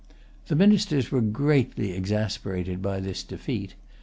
The ministers were greatly exasperated by this defeat.